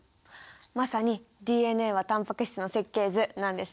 まさにＤＮＡはタンパク質の設計図なんですね。